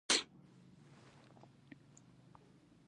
انار سرې دانې لري او بدن ته ګټه رسوي.